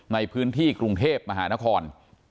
ในพื้นที่กรุงเทพมหานคร